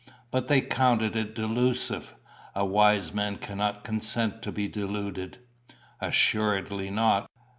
"But they counted it delusive. A wise man cannot consent to be deluded." "Assuredly not.